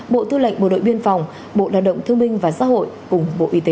bộ tư lệnh bộ đội biên phòng bộ lao động thương minh và xã hội cùng bộ y tế